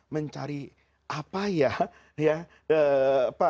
mencari apa ya